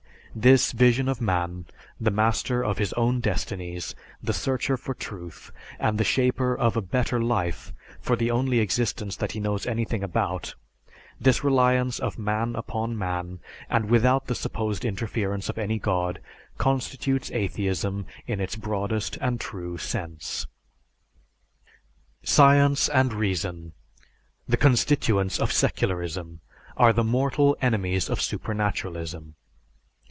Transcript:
This vision of man, the master of his own destinies, the searcher for truth and the shaper of a better life for the only existence that he knows anything about, this reliance of man upon man, and without the supposed interference of any god, constitutes atheism in its broadest and true sense. Science and reason, the constituents of secularism, are the mortal enemies of supernaturalism.